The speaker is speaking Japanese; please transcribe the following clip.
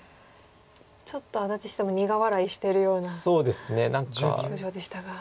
ちょっと安達七段も苦笑いしてるような表情でしたが。